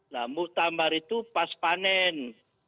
nah muktamar itu pas panen